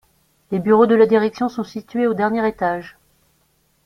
Les bureaux de la direction sont situés au dernier étage.